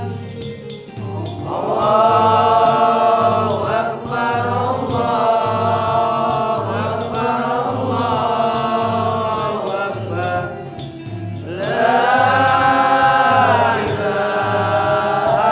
berantem lagi hah